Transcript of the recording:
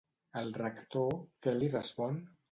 El rector què li respon?